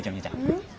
うん？